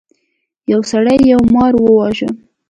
یو سړي یو مار وواژه.